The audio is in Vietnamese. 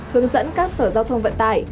hướng dẫn các sở giao thông vận tải